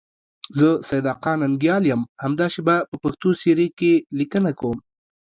زه سیدآقا ننگیال یم، همدا شیبه په پښتو سیرې کې لیکنه کوم.